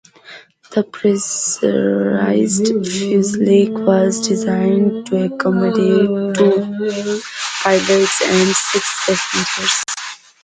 The pressurised fuselage was designed to accommodate two pilots and six passengers.